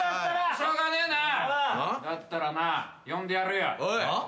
しょうがねえなだったらな呼んでやるよ。